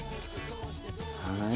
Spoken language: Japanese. はい。